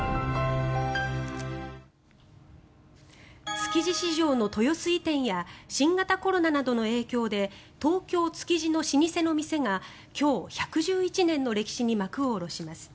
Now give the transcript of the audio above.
築地市場の豊洲移転や新型コロナなどの影響で東京・築地の老舗の店が今日、１１１年の歴史に幕を下ろします。